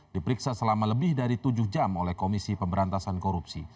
diperiksa selama lebih dari tujuh jam oleh komisi pemberantasan korupsi